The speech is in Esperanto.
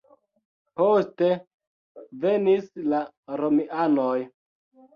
Poste venis la romianoj.